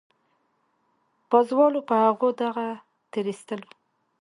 پازوالو په هغو دغو تېرېستلو.